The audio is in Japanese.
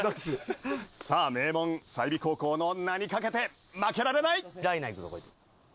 名門済美高校の名にかけて負けられない！